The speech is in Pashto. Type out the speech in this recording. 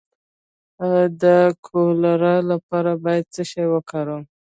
د کولرا لپاره باید څه شی وکاروم؟